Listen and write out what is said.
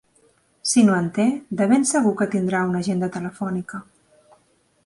Si no en té, de ben segur que tindrà una agenda telefònica.